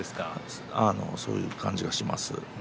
そういう感じがします。